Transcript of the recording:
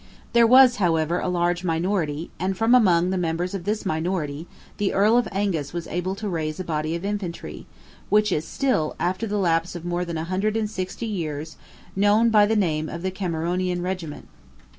There was however a large minority; and, from among the members of this minority, the Earl of Angus was able to raise a body of infantry, which is still, after the lapse of more than a hundred and sixty years, known by the name of the Cameronian Regiment.